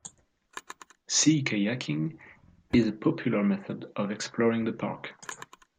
Sea kayaking is a popular method of exploring the park.